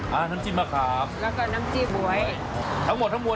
มันคืออะไรครับนี่